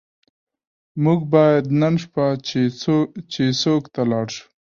موږ باید نن شپه چیسوک ته لاړ شو.